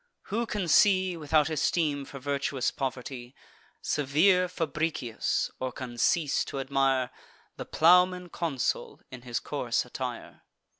Who can see Without esteem for virtuous poverty, Severe Fabricius, or can cease t' admire The plowman consul in his coarse attire?